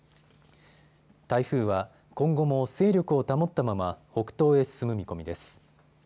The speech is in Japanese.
台風は今後も勢力を保ったまま北東へ進む見込みです。